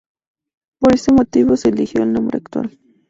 Por este motivo, se eligió el nombre actual.